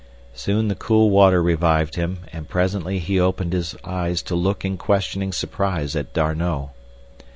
Soon the cool water revived him, and presently he opened his eyes to look in questioning surprise at D'Arnot.